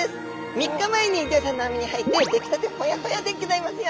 ３日前に漁師さんの網に入って出来たてほやほやでギョざいますよ。